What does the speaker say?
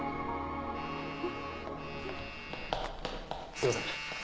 すいません。